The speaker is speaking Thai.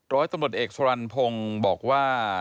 ร้อยตำรวจเอกสรรพงศ์บอกว่า